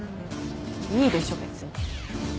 いいでしょ別に。